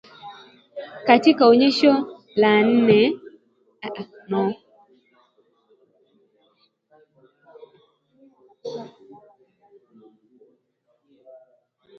Katika Onyesho la tatu maneno yaliyolazwa yanadhibitisha hayo